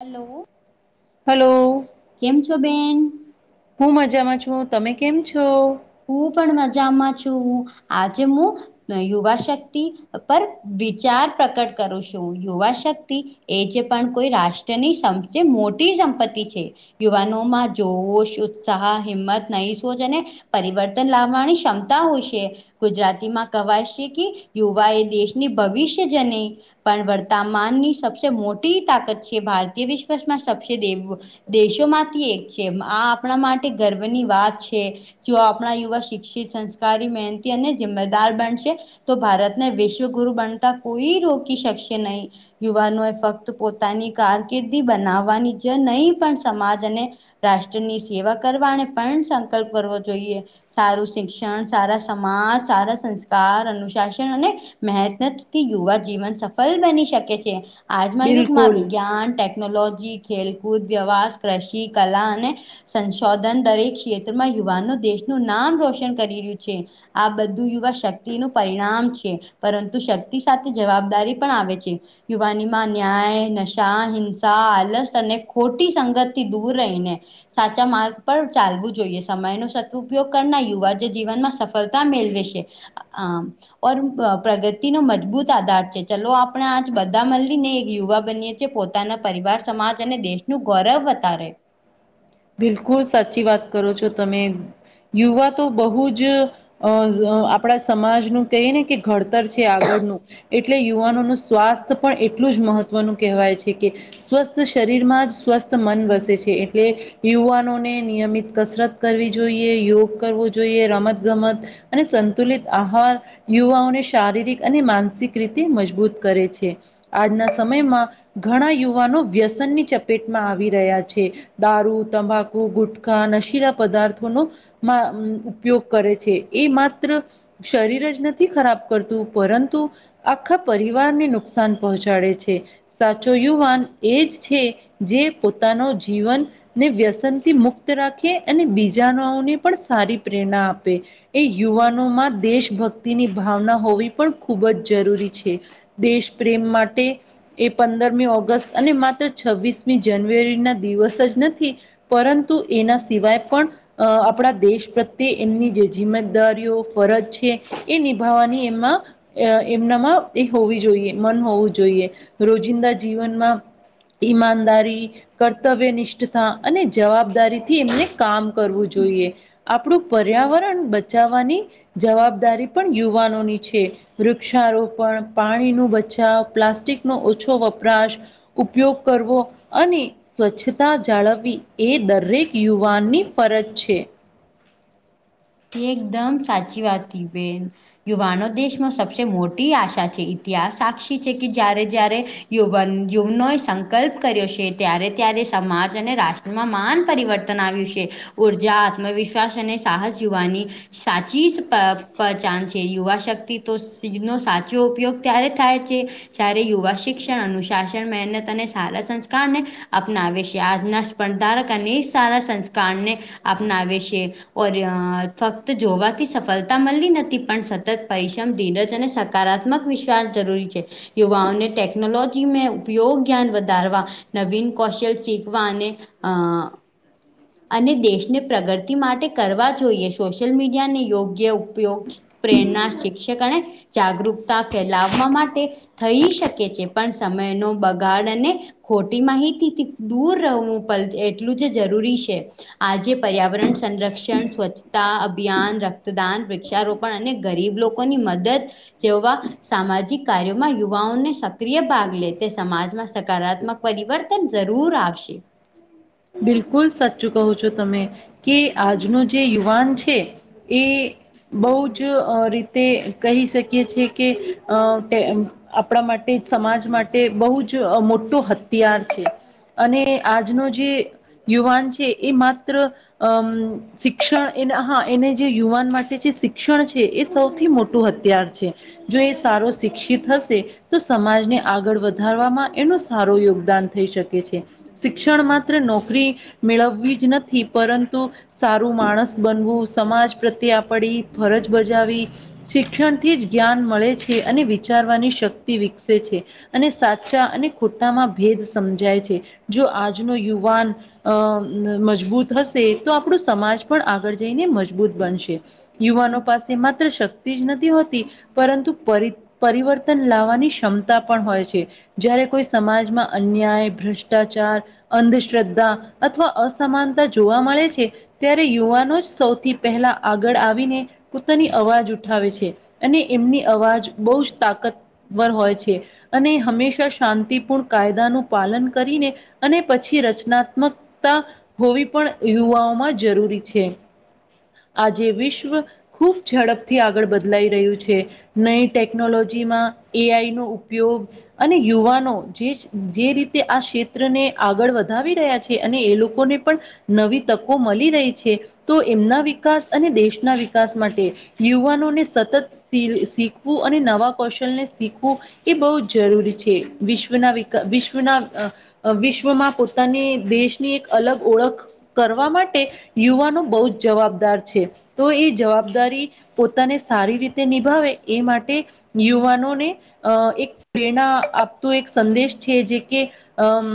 Hello hello કેમ છો બેન? હું મજામાં છું તમે કેમ છો? હું પણ મજામાં છું આજે મુ નય યુવા શક્તિ પર વિચાર પ્રકટ કરું છું યુવા શક્તિ એ જે પણ કોઈ રાષ્ટ્રની [unintelligible] મોટી સંપત્તિ છે. યુવાનોમાં જોશ, ઉત્સાહ, હિંમત, નવી સોચ અને પરિવર્તન લાવવાની ક્ષમતા હોય છે. ગુજરાતીમાં કવાય છે, કે યુવા એ દેશની ભવિષ્ય જ ને પણ વર્તમાનની સબસે મોટી તાકત છે, ભારતીય વિશ્વમાં સબસે દેવ દેશોમાંથી એક છે, આ આપણા માટે ગર્વની વાત છે. જો આપણા યુવા શિક્ષિત, સંસ્કારી, મહેનતી અને જિમ્મેદાર બનશે તો ભારતને વિશ્વગુરુ બનતા કોઈ રોકી શકશે નહીં. યુવાનો એ ફક્ત પોતાની કારકિર્દી બનાવવાની છે, નહીં પણ સમાજ અને રાષ્ટ્રની સેવા કરવાને પણ સંકલ્પ કરવો જોઈએ સારું શિક્ષણ, સારા સમાજ, સારા સંસ્કાર, અનુશાસન અને મહેનતથી યુવા જીવન સફલ બની છે, આજના યુગમાં બિલકુલ વિજ્ઞાન ટે [unintelligible] નોલોજી ખેલકૂદ વ્યવાસ કૃષિ કલા અને સંશોધન દરેક ક્ષેત્રમાં યુવાનો દેશનું નામ રોશન કરી રહ્યું છે આ બધું યુવા શક્તિનું પરિણામ છે. પરંતુ શક્તિ સાથે જવાબદારી પણ આવે છે. યુવાનીમાં ન્યાય નશા હિંસા આલસ અને ખોટી સંગતથી દૂર રહીને સાચા માર્ગ પર ચાલવું જોઈએ સમય નો સત ઉપયોગ કરનાર યુવા જે જીવનમાં સફળતા મેળવે છે. આમ ઓર પ્રગતિ નો મજબૂત આધાર છે. ચલો આપણે આજ બધા મલી ને એક યુવા બનીએ કે પોતાના પરિવાર સમાજ અને દેશનું ગૌરવ વતારે બિલકુલ સાચી વાત કરો છો તમે યુવા તો બહુ જ અ [unintelligible] આપણા સમાજનું કહી ને કે ઘડતર છે. આગળનું એટલે યુવાનોનું સ્વાસ્થ્ય પણ એટલું જ મહત્વનું કહેવાય છે કે સ્વસ્થ શરીર માં સ્વસ્થ મન વસે છે એટલે યુવાનોને નિયમિત કસરત કરવી જોઈએ યોગ કરવો જોઈએ રમતગમત અને સંતુલિત આહાર યુવાઓને શારીરિક અને માનસિક રીતે મજબૂત કરે છે આજના સમયમાં ઘણા યુવાનો વ્યસનની ચપેટમાં આવી રહ્યા છે. દારૂ તંબકુ ગુટખા નશીલા પદાર્થોનો મા [unintelligible] ઉપયોગ કરે છે. એ માત્ર શરીર જ નથી ખરાબ કરતું પરંતુ આખા પરિવારને નુકસાન પહોંચાડે છે સાચો યુવાન એજ છે. જે પોતાનો જીવન ને વ્યસનથી મુક્ત રાખે અને બીજાનાઓને પણ સારી પ્રેરણા આપે એ યુવાનોમાં દેશભક્તિની ભાવના હોવી પણ ખૂબ જ જરૂરી છે. દેશ પ્રેમ માટે એ પંદરમી ઓગસ્ટ અને માત્ર છવ્વીસમી જાન્યુઆરી ના દિવસ જ નથી કે પરંતુ એના સિવાય પણ અ આપણા દેશ પ્રત્યે એમની જે જિમ્મે દારીઓ ફરજ છે એ નિભાવવાની એમાં અ એમનામાં એ હોવી જોઈએ મન હોવું જોઈએ રોજિંદા જીવનમાં ઈમાનદારી કર્તવ્ય નિષ [unintelligible] અને જવાબદારી થી એમને કામ કરવું જોઈએ આપણું પર્યાવરણ બચાવાની જવાબદારી પણ યુવાનોની છે વૃક્ષારોપણ પાણી નુ બચાવ પ્લાસ્ટિક નો ઓછો વપરાશ ઉપયોગ કરવો અને સ્વચ્છ તા જાળવવી એ દરેક યુવાનની ફરજ છે. એકદમ સાચી વાત [unintelligible] બેન યુવાનો દેશમાં સબસે મોટી આશા છે ઇતિહાસ સાક્ષી છે કે જ્યારે જ્યારે યુવન યુવનો સંકલ્પ કર્યો છે ત્યારે ત્યારે સમાજ અને રાષ્ટ્ર મા માન પરિવર્તન આવ્યું છે ઉર્જા આત્મવિશ્વાસ અને સાહસ યુવાની સાચી જ પ પહચાન છે યુવા શક્તિ તો [unintelligible] સાચો ઉપયોગ ત્યારે થાય છે જ્યારે યુવા શિક્ષણ અનુશાસન મહેનત અને સારા સંસ્કારને અપનાવે છે આના પણ ધારક અને સારા સંસ્કારને અપનાવે છે. [unintelligible] અ ફક્ત જોવાથી સફળતા મળી નથી પણ સતત પરિશ્રમ ધીરજ અને [unintelligible] કારાત્મક વિશ્વાસ જરૂરી છે યુવાઓ ને ટેકનોલોજી મે ઉપયોગ જ્ઞાન વધારવા નવીન કૌશલ શીખવા અને અ અને દેશને પ્રગતિ માટે કરવા જોઈએ. સોશિયલ મીડિયાને યોગ્ય ઉપયોગ પ્રેરણા શિક્ષક અને જાગૃકતા ફેલાવવા માટે થઈ શકે છે, પણ સમયનો બગાડ અને ખોટી માહિતીથી દૂર રહેવું [inaudible] એટલું જ જરૂરી સે. આજે પર્યાવરણ, સંરક્ષણ, સ્વચ્છતા અભિયાન, રક્તદાન, વૃક્ષારોપ પણ અને ગરીબ લોકો ની મદદ જેવા સામાજિક કાર્યોમાં યુવાઓને સક્રિય ભાગ લે તે સમાજમાં સકારાત્મક પરિવર્તન જરૂર આવશે. બિલકુલ સાચું કહો છો તમે, કે આજનું જે યુવાન છે એ બહુ જ અ રીતે કહી શકીએ છે કે અ. તેમ આપણા માટે, સમાજ માટે, બહુ જ મોટો હથિયાર છે. અને આજ નો જે યુવાન છે, એ માત્ર અમ શિક્ષણ એન હા એને જે યુવાન માટે જે શિક્ષણ છે, એ સૌથી મોટું હથિયાર છે. જો એ સારો શિક્ષિત હશે તો સમાજને આગળ વધારવામાં એનું સારું યોગદાન થઈ શકે છે. શિક્ષણ માત્ર નોકરી મેળવવી જ નથી પરંતુ સારું માણસ બનવું, સમાજ પ્રત્યે આપડી ફરજ બજાવી શિક્ષણથી જ જ્ઞાન મળે છે, અને વિચારવાની શક્તિ વિકસે છે. અને સાચા અને ખોટામાં ભેદ સમજાય છે, જો આજનો યુવાન અ મજબૂત હશે, તો આપણું સમાજ પણ આગળ જઈને મજબૂત બનશે. યુવાનો પાસે શક્તિ જ નથી હોતી પરંતુ, પરિ-પરિવર્તન લાવવાની ક્ષમતા પણ હોય છે. જયારે કોઈ સમાજમાં અન્યાય, ભ્રષ્ટાચાર, અંધશ્રદ્ધા અથવા અસમાનતા જોવા મળે છે ત્યારે યુવાનો જ સૌથી પહેલા આગળ આવીને પોતાની અવાજ ઉઠાવે છે. અને એમની અવાજ બહુ જ તાકતવર હોય છે. અને હંમેશા [unintelligible] કાયદાનું પાલન કરીને અને પછી રચના મકતા હોવી પણ યુવાઓમાં જરૂરી છે. આજે વિશ્વ ખુબ ઝડપથી આગળ બદલાઈ રહ્યું છે. નઈ ટેકનોલોજીમાં એઆઈ નો ઉપયોગ અને યુવાનો જેજ જે રીતે આ ક્ષેત્રને આગળ વધાવી રહ્યા છે અને એ લોકોને નવી તકો મલી રહી છે તો એમના વિકાસ અને દેશના વિકાસ માટે યુવાનોને સતત શી-શીખવું અને નવા કૌશલને શીખવું એ બહુ જ જરૂરી છે, વિશ્વના વિકા વિશ્વના અ અ વિશ્વમાં પોતાની દેશની એક અલગ ઓળખ કરવા માટે યુવાનો બહુ જ જવાબદાર છે, તો એ જવાબદારી પોતાને સારી રીતે નિભાવે એ માટે યુવાનોને અ એક પ્રેરણા આપતો એક સંદેશ છે. જે કે અમ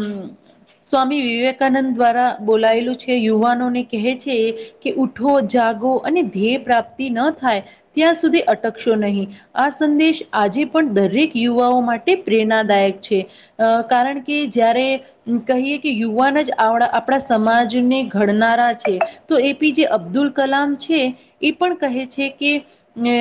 સ્વામી વિવેકાનંદ દ્વારા બોલાયલું છે, યુવાનો ને કહે છે એ કે ઉઠો, જાગો અને ધ્યેય પ્રાપ્તિ ન થાય, ત્યાં સુધી અટકશો નહીં. આ સંદેશ આજે પણ દરેક યુવાઓ માટે પ્રેરણાદાયક છે. અ કારણ કે જ્યારે કહીએ કે યુવાન જ આવડા આપણા સમાજને ઘડનારા છે, તો એ પી જે અબ્દુલ કલામ છે. એ પણ કહે છે, કે ને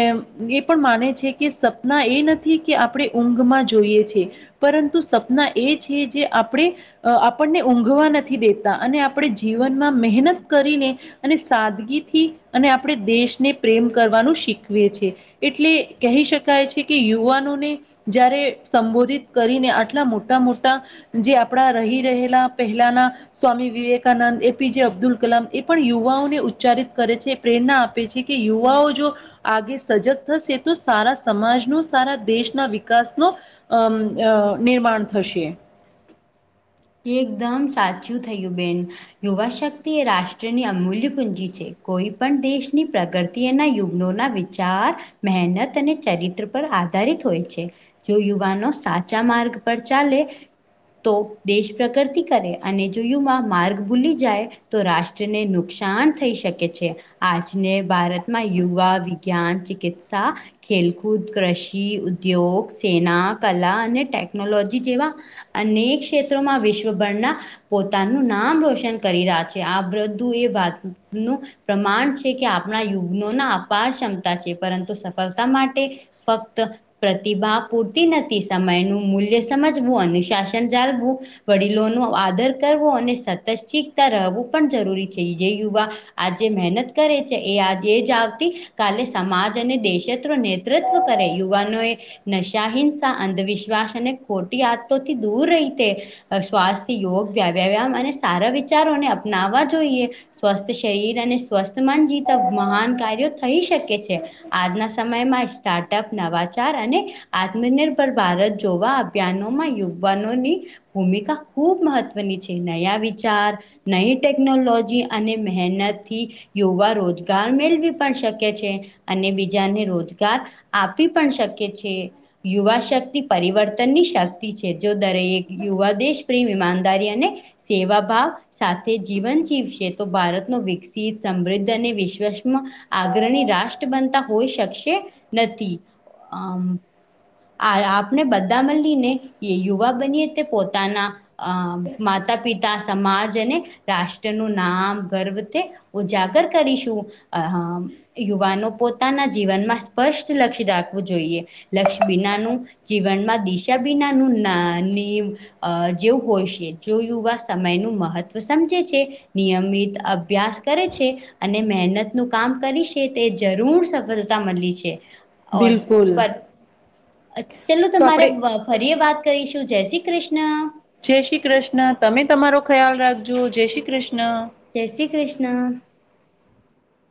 એ પણ માને છે કે સપના એ નથી કે આપણે ઊંઘમાં જોઈએ છે. પરંતુ સપના એ છે, જે આપણે અ આપ આપણને ઊંઘવા નથી દેતા અને આપણે જીવનમાં મહેનત કરીને અને સાદગીથી અને આપણે દેશને પ્રેમ કરવાનું શીખવે છે. એટલે કહી શકાય છે, કે યુવાનોને જયારે સંબોધિત કરીને, આટલા મોટા મોટા જે આપડા રહી રહે એટલા પહેલાના સ્વામી વિવેકાનંદ, એપીજે અબ્દુલ કલામ એ પણ યુવાઓને ઉચ્ચારિત કરે છે. પ્રેરણા આપે છે કે યુવાઓ જો આગે સજગ થશે તો સારા સમાજનો સારા દેશના વિકાસનો અમ અ નિર્માણ થશે. એકદમ સાચું થયું બેન. યુવા શક્તિ એ રાષ્ટ્રની અમૂલ્ય પૂંજી છે. કોઈ પણ દેશની પ્રગતિ એના યુગ્ઞનો ના વીક જાત મહેનત અને ચરિત્ર પર આધારિત હોય છે. જો યુવાનો સાચા માર્ગ પર ચાલે તો દેશ પ્રગતિ કરે. અને જો યુવા માર્ગ ભૂલી જાય તો રાષ્ટ્રને નુકસાન થઈ શ શકે છે. આજને ભારતમાં યુવા વિજ્ઞાન ચિકિત્સા ખેલકૂદ, કૃષિ ઉદ્યોગ, સેના કલા અને ટેકનોલોજી જેવા અનેક ક્ષેત્રોમાં વિશ્વભરના પોતાનું નામ રોશન કરી રહ્યા છે. આ બધું એ વાતનું પ્રમાણ છે કે આપના યુગ્નોના અપાર ક્ષમતા છે. પરંતુ સફળતા માટે ફક્ત પ્રતિભા પૂરતી નથી. સમયનું મૂલ્ય સમજવું, અનુશાસન જાલવું વડીલોનો આદર કરવો અને સતત શીખતા રહેવું પણ જરૂરી છે. જે યુવા આજે મહેનત કરે છે એ આજે જ આવતી કાલે સમાજ અને દેશ નેતૃત્વ કરે યુવાનોએ નશા, હિંસા, અંધવિશ્વાસ અને ખોટી આદતોથી દૂર રહી તે અ સ્વાસ્થ્ય, યોગ, વ્યાયામ અને સારા વિચારોને અપનાવવા જોઈએ. સ્વસ્થ શરીર અને સ્વસ્થ મન જીતા મહાન કાર્યો થઈ શકે છે. આજના સમયમાં સ્ટાર્ટઅપ, નવાચાર અને આત્મનિર્ભર ભારત જોવા બ્યાનોમાં યુવાનોની ભૂમિકા ખૂબ મહત્વની છે. નયા વિચાર નઈ ટેકનોલોજી અને મહેનતથી યુવા રોજગાર મેળવી પણ શકે છે. અને બીજાને રોજગાર આપી પણ શકે છે. યુવા શક્તિ પરિવર્તનની શક્તિ છે. જો દરેક યુવા દેશ પ્રેમ, ઈમાનદારી અને સેવા ભાવ સાથે જીવન જીવશે. તો ભારતનો વિકસિત, સમૃદ્ધ અને વિશ્વસમ આગ્રણી રાષ્ટ્ર બનતા હોઈ શકશે નથી આમ આ આપણે બધા મલીને એ યુવા બનીએ તે પોતાના અ માતા પિતા, સમાજ અને રાષ્ટ્રનું નામ ગર્વ તે ઉજાગર કરીશું. અ હમ યુવાનો પોતાના જીવનમાં સ્પષ્ટ લક્ષ્ય રાખવું જોઈએ. લક્ષ્ય બીનાનું જીવનમાં દિશા બિનાનું ના નીમ અ જેવું હોય છે. જો યુવા સમયનું મહત્વ સમજે છે નિયમિત અભ્યાસ કરે છે. અને મહેનતનું કામ કરી છે તે જરૂર સફળતા મળી છે બિલકુલ ચાલું તો તમારે આપણે ફરીએ વાત કરીશું જય શ્રી કૃષ્ણ જય શ્રી કૃષ્ણ તમે તમારો ખ્યાલ રાખજો જય શ્રી કૃષ્ણ જય શ્રી કૃષ્ણ